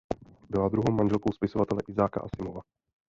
Byla druhou manželkou spisovatele Isaaca Asimova.